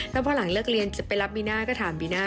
แล้วพอหลังเลิกเรียนจะไปรับบีน่าก็ถามบีน่า